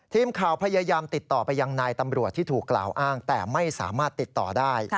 ทีมข่าวพยายามติดต่อไปยังนายตำรวจที่ถูกกล่าวอ้างแต่ไม่สามารถติดต่อได้